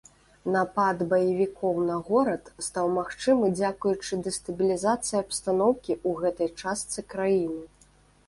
Напад баевікоў на горад стаў магчымы дзякуючы дэстабілізацыі абстаноўкі ў гэтай частцы краіны.